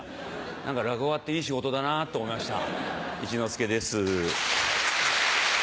何か落語家っていい仕事だなと思いました一之輔です。